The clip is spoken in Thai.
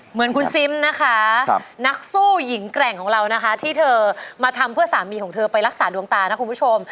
เหมือนคุณซิมนะคะนักสู้หญิงแกร่งของเรานะคะที่เธอมาทำเพื่อสามีของเธอไปรักษาดวงตานะคุณผู้ชม